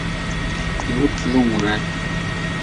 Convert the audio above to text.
有子五人